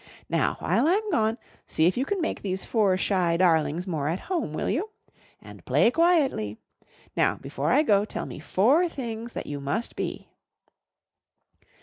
Now, while I'm gone, see if you can make these four shy darlings more at home, will you? And play quietly. Now before I go tell me four things that you must be?"